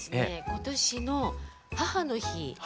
今年の母の日。